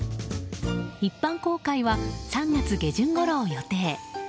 一般公開は３月下旬ごろを予定。